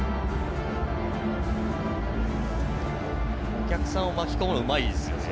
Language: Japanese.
お客さんを巻き込むのがうまいですよね。